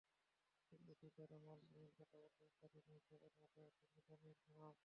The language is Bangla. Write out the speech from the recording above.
কিন্তু সিজারে মালদিনির কথা বললে ইতালি নয়, সবার মাথায় আসে মিলানের নাম।